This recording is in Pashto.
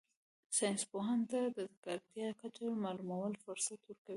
ساینس پوهانو ته د ککړتیا کچه معلومولو فرصت ورکوي